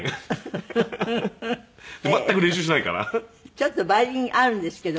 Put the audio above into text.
ちょっとバイオリンあるんですけど。